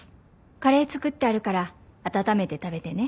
「カレー作ってあるから温めて食べてね」